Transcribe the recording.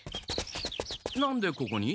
何でここに？